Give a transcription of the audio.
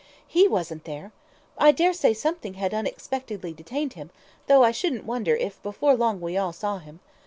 "He wasn't there. I daresay something had unexpectedly detained him, though I shouldn't wonder if before long we all saw him.